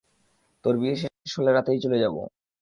তোর বিয়ে শেষে হলে রাতেই চলে যাবো।